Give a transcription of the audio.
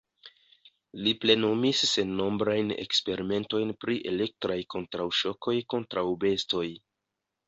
Li plenumis sennombrajn eksperimentojn pri elektraj kontraŭŝokoj kontraŭ bestoj.